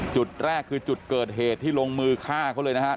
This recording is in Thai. จุดแรกคือจุดเกิดเหตุที่ลงมือฆ่าเขาเลยนะครับ